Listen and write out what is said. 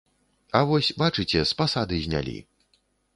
А вось, бачыце, з пасады знялі.